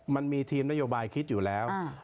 มันมีทีมนโยบายคิดอยู่แล้ว